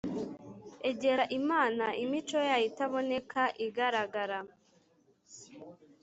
Egera Imana Imico yayo itaboneka igaragara